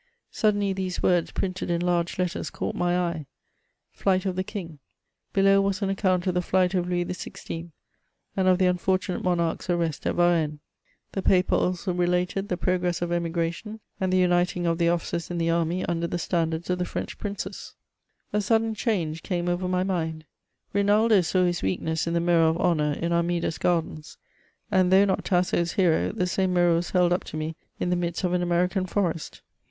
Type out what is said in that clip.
Suddenly these woids, printed in large letters, caught my eye :" Flight of the King." Below was an account of the flight of Louis XV L, and of the unfortunate monarch's arrest at Varennes. The paper also related the progress of emigration, and the uniting of the officers in the army under the standards of the French princes. A sudden change came over my mind. Binaldo saw his weak ness in the mirror of honour in Armida's gardens ; and, though not Tasso's hero, the same mirror was held up to me in the midst of an American forest.